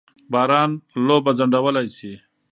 باران لوبه ځنډولای سي.